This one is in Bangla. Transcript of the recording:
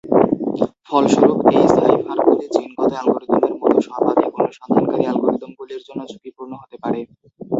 ফলস্বরূপ, এই সাইফারগুলি জিনগত অ্যালগরিদমের মতো সর্বাধিক অনুসন্ধানকারী অ্যালগরিদমগুলির জন্য ঝুঁকিপূর্ণ হতে পারে।